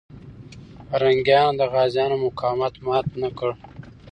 پرنګیانو د غازيانو مقاومت مات نه کړ.